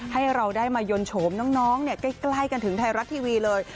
ให้เราได้มายนต์โฉมน้องใกล้กันถึงไทยรัฐทีวีเลย